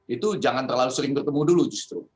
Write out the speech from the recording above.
itu jangan terlalu sering bertemu dulu justru